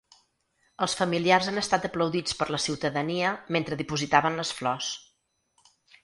Els familiars han estat aplaudits per la ciutadania mentre dipositaven les flors.